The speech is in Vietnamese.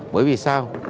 bởi vì sao